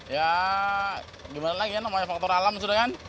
ya gimana lagi ya nomanya faktor alam sudah kan